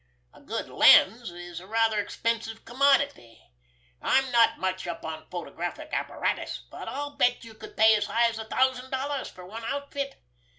A good lens is a rather expensive commodity. I'm not much up on photographic apparatus, but I'll bet you could pay as high as a thousand dollars for one outfit.